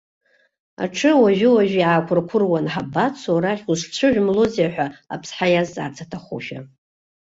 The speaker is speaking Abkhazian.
Аҽы уажәы-уажә иаақәырқәыруан, ҳабацо арахь, узҽыжәымлозеи ҳәа аԥсҳа иазҵаарц аҭахушәа.